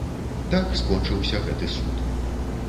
Так скончыўся гэты суд.